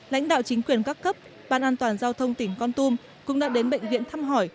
lãnh đạo chính quyền các cấp ban an toàn giao thông tỉnh con tum cũng đã đến bệnh viện thăm hỏi